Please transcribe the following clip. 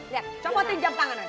lihat copotin jam tangannya